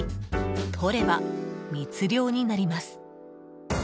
とれば密漁になります。